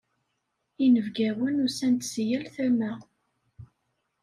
Inebgawen usan-d si yal tama.